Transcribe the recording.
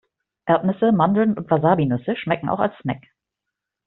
Erdnüsse, Mandeln und Wasabinüsse schmecken auch als Snack.